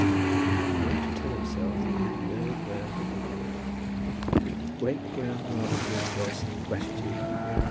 He had been able to tell himself that he had no ground for complaint, great ground rather for rejoicing and gratitude.